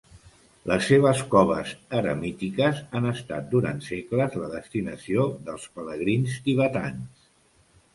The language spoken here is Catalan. Les seves coves eremítiques han estat durant segles la destinació dels pelegrins tibetans.